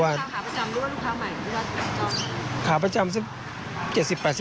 หาราคาประจำด้วยลูกค้าใหม่หรือว่าร้อยจอน